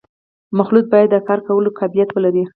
مخلوط باید د کار کولو قابلیت ولري